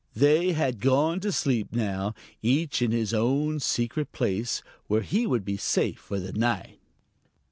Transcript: They bad gone to sleep now, each in his own secret place where he would be safe for the night.